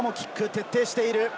徹底している。